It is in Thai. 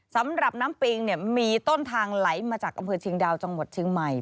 สำหรับน้ำปิงมีต้นทางไหลมาจากอำเภอเชียงดาวจังหวัดเชียงใหม่